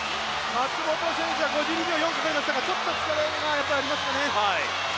松元選手は５２秒４かかりましたが、少し疲れがありますかね。